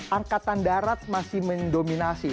angkatan darat masih mendominasi